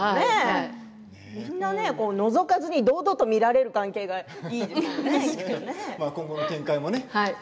みんな、のぞかずに堂々と見られる関係がいいですよね。